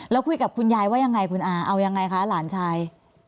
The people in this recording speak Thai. แล้วคุยกับคุณยายว่ายังไงคุณอาเอายังไงคะหลานชาย